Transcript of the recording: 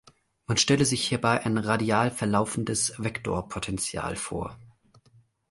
Man stelle sich hierbei ein radial verlaufendes Vektorpotential vor.